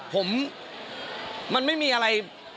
ผมมันไม่มีอะไร